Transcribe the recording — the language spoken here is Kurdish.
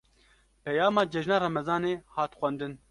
Peyama cejna remezanê, hat xwendin